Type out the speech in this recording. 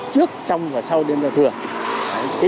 trước trong và sau đêm giao thừa